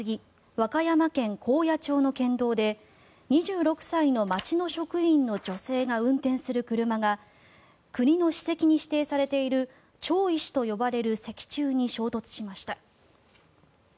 和歌山県高野町の県道で２６歳の町の職員の女性が運転する車が国の史跡に指定されている町石と呼ばれる石柱に衝突しました。